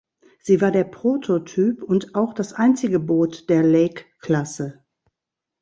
Sie war der Prototyp und auch das einzige Boot der "Lake-Klasse".